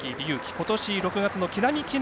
今年６月の木南記念